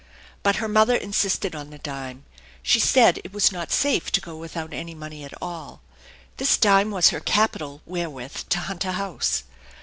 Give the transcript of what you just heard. But her mother insisted on the dime. She said it was not safe to go without any money at all. This dime was her capital wherewith to hunt a house.